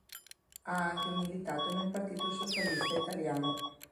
Ha anche militato nel Partito Socialista Italiano.